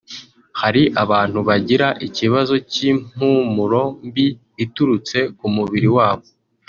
Hari abantu bagira ikibazo cy’impumuro mbi iturutse k’umubiri wabo